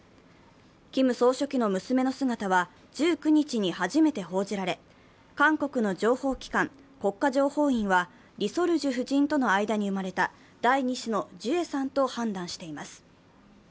キム総書記の娘の姿は１９日に初めて報じられ韓国の情報機関、国家情報院は、リ・ソルジュ夫人との間に生まれた第２子のジュエさんと判断しています。